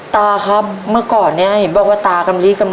ทับผลไม้เยอะเห็นยายบ่นบอกว่าเป็นยังไงครับ